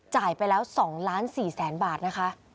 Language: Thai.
จ่ายไปแล้ว๒๔๐๐๐๐๐บาทนะคะ